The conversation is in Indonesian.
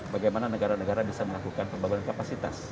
bagaimana negara negara bisa melakukan pembangunan kapasitas